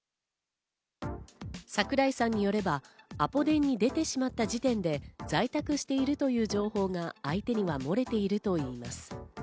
櫻井さんによれば、アポ電に出てしまった時点で、在宅しているという情報が相手には漏れているといいます。